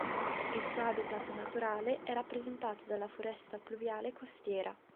Il suo habitat naturale è rappresentato dalla foresta pluviale costiera.